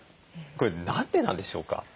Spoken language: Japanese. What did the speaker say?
これ何でなんでしょうか？